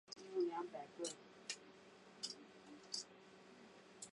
欧风咖哩亦有用奶油炒面糊来令煮出来的咖喱汁变稠成为咖喱酱。